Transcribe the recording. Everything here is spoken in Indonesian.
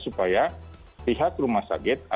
supaya pihak rumah sakit